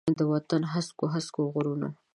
د وطن د هسکو، هسکو غرونو،